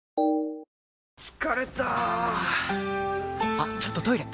あっちょっとトイレ！